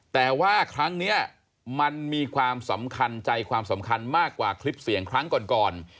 แต่ว่าครั้งนี้มันมีความสำคัญใจความสำคัญมากกว่าคลิปเสียงครั้งก่อน